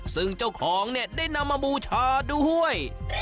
ซึ่งเจ้าของเนี่ยได้นำมาบูชาด้วย